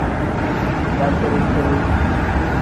Daciri-ciri.